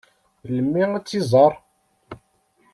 Melmi ad tt-iẓeṛ?